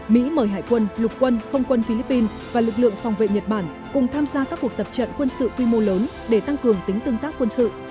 mỹ mời hải quân lục quân không quân philippines và lực lượng phòng vệ nhật bản cùng tham gia các cuộc tập trận quân sự quy mô lớn để tăng cường tính tương tác quân sự